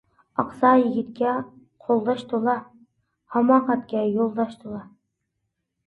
ئاقسا يىگىتكە قولداش تولا، ھاماقەتكە يولداش تولا.